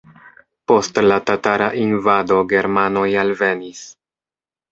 Post la tatara invado germanoj alvenis.